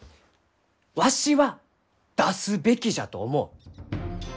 わしは出すべきじゃと思う！